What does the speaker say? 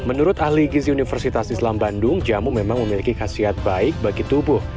menurut ahli gizi universitas islam bandung jamu memang memiliki khasiat baik bagi tubuh